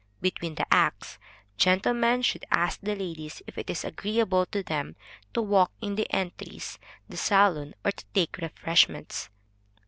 Between the acts, gentlemen should ask the ladies if it is agreeable to them to walk in the entries, the saloon, or to take refreshments.